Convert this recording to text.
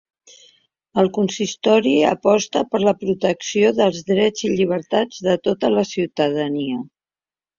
El consistori aposta per la protecció dels drets i llibertats de tota la ciutadania.